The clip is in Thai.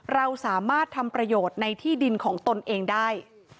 เราสามารถทำประโยชน์ในที่ดินของตนเองได้